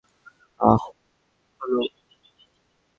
আহ, hello?